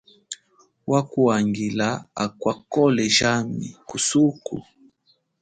Wakuhangila akwa khole jami kusuku.